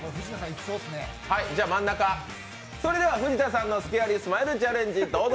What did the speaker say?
それでは藤田さんのスケアリースマイルチャレンジどうぞ！